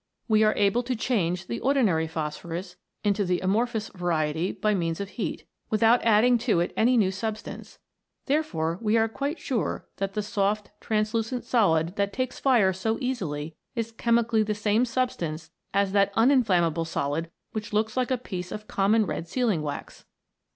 We are able to change the ordinary phosphorus * M. Schrotter. MODERN ALCHEMY. 87 into the amorphous variety by means of heat, with out adding to it any new substance, therefore we are quite sure that the soft translucent solid that takes fire so easily is chemically the same substance as that uninflammable solid which looks like a piece of common red sealing wax.